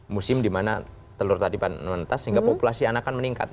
musim di mana telur tadi menetas sehingga populasi anak kan meningkat